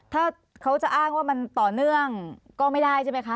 ถ้าเขาจะอ้างว่ามันต่อเนื่องก็ไม่ได้ใช่ไหมคะ